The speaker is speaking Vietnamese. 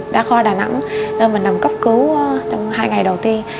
đã khoa đà nẵng mình nằm cấp cứu trong hai ngày đầu tiên